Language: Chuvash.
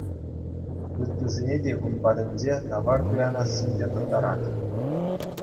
Ыттисене те ун патӗнче тавар туянассинчен хӑтарать.